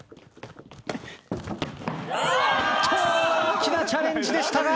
大きなチャレンジでしたが。